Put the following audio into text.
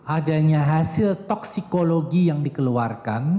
adanya hasil toksikologi yang dikeluarkan